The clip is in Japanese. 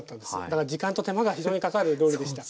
だから時間と手間が非常にかかる料理でした。